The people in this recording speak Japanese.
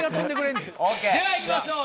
ではいきましょう。